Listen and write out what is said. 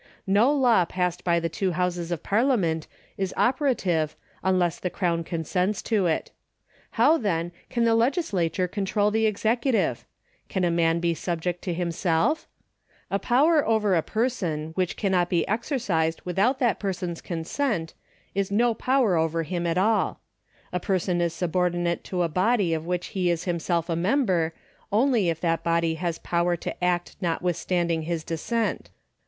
No law passed by the two Hotises of Parliament is operative unless the Crown consents to it. How, then, can the legislature control the executive ? Can a man be subject to himself ? A power over a person, which cannot be exercised without that person's consent, is no power over him at aU. A person is subordinate to a body of which he is himself a member, only if that body has power to act notwithstanding his dissent.